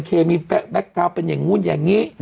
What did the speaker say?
เคมีแก๊กทาวน์เป็นอย่างนู้นอย่างนี้